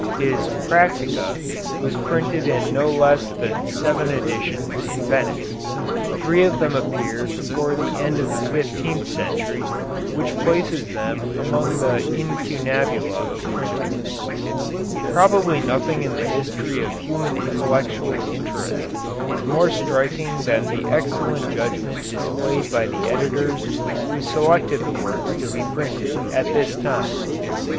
His "Practica" was printed in no less than seven editions in Venice. Three of them appeared before the end of the fifteenth century, which places them among the incunabula of printing. Probably nothing in the history of human intellectual interest is more striking than the excellent judgment displayed by the editors who selected the works to be printed at this time.